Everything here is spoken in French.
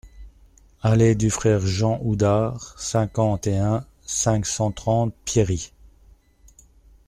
Allée du Frère Jean Oudart, cinquante et un, cinq cent trente Pierry